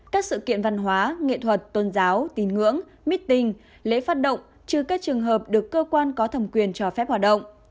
các sự kiện văn hóa nghệ thuật tôn giáo tín ngưỡng meeting lễ phát động trừ các trường hợp được cơ quan có thẩm quyền cho phép hoạt động